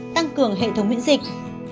tăng cường hệ thống miễn dịch